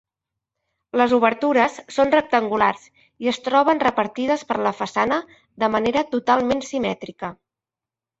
Les obertures són rectangulars i es troben repartides per la façana de manera totalment simètrica.